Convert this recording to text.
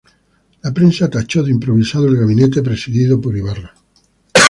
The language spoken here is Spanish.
La prensa tachó de improvisado al gabinete presidido por Ibarra.